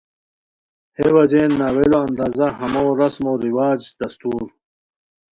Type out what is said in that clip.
ہے وجہین ناولو اندازہ ہمو رسم و رواج، دستور